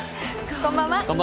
こんばんは。